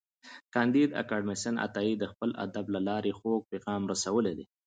کانديد اکاډميسن عطایي د خپل ادب له لارې خوږ پیغام رسولی دی.